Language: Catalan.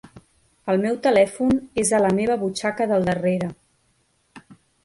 El meu telèfon és a la meva butxaca del darrere.